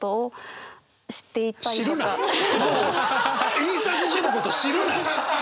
もう印刷所のこと知るな！